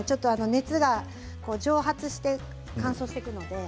熱が蒸発して乾燥しちゃうので。